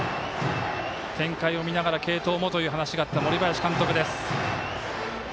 展開を見ながら継投もという話があった森林監督。